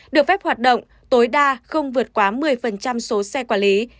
được phép hoạt động tối đa không vượt quá một mươi số xe quản lý